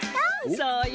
そうよ